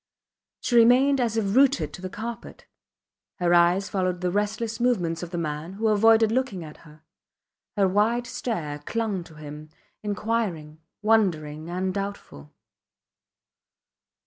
She remained as if rooted to the carpet. Her eyes followed the restless movements of the man, who avoided looking at her. Her wide stare clung to him, inquiring, wondering and doubtful.